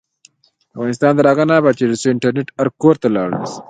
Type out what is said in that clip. افغانستان تر هغو نه ابادیږي، ترڅو انټرنیټ هر کور ته لاړ نشي.